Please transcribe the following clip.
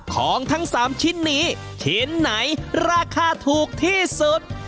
ของทั้ง๓ชิ้นนี้ชิ้นไหนราคาถูกที่สุด